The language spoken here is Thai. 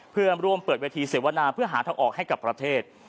เพื่อร่วมเปิดเวทีเสวนาเพื่อหาทางออกให้กับประเทศ